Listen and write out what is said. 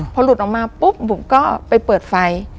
พอหลุดออกมาปุ๊บบุ๋มก็ไปเปิดไฟ